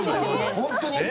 本当に！